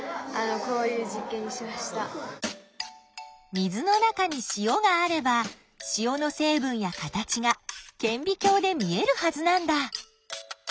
水の中に塩があれば塩の成分や形がけんび鏡で見えるはずなんだ。